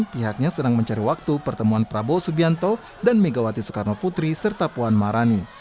pihaknya sedang mencari waktu pertemuan prabowo subianto dan megawati soekarno putri serta puan marani